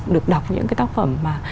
được đọc những cái tác phẩm mà